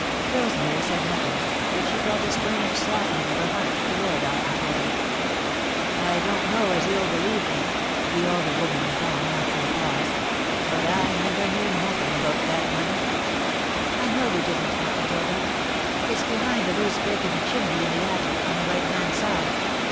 Rosemary said nothing, but she felt a strange softening of her heart toward Aunt Matilda. "I don't know as you'll believe me," the older woman went on after a pause, "but I never knew nothin' about that money." [Sidenote: Pity for Aunt Matilda] "I know you didn't, Aunt Matilda. It's behind a loose brick in the chimney, in the attic, on the right hand side.